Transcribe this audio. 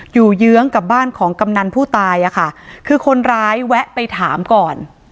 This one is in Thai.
เยื้องกับบ้านของกำนันผู้ตายอ่ะค่ะคือคนร้ายแวะไปถามก่อน